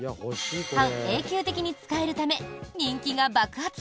半永久的に使えるため人気が爆発。